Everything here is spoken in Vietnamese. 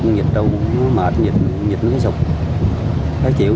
con vịt đâu có mệt con vịt nó phải sụp phải chịu